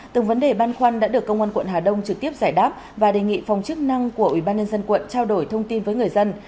từng vấn đề băn khoăn đã được công an quận hà đông trực tiếp giải đáp và đề nghị phòng chức năng của ubnd quận trao đổi thông tin với người dân